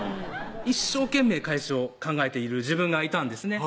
一生懸命返しを考えている自分がいたんですね